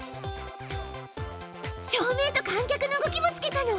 照明と観客の動きもつけたの？